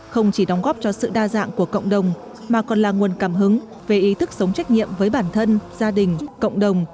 không chỉ đóng góp cho sự đa dạng của cộng đồng mà còn là nguồn cảm hứng về ý thức sống trách nhiệm với bản thân gia đình cộng đồng